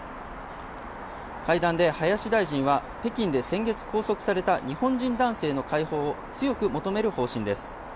会談で林大臣は、北京で先月拘束された日本人男性の解放を強く求める方針です。